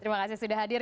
terima kasih sudah hadir